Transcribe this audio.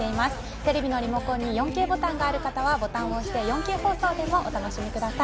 テレビのリモコンに４Ｋボタンのある方はボタンを押して４Ｋ放送でもお楽しみください。